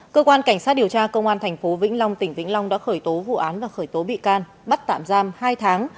cơ quan cảnh sát điều tra công an tp vĩnh long tỉnh vĩnh long đã khởi tố vụ án và khởi tố bị can bắt tạm giam hai tháng